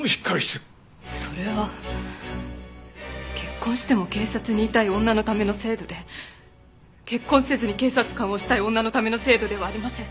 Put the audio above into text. それは結婚しても警察にいたい女のための制度で結婚せずに警察官をしたい女のための制度ではありません。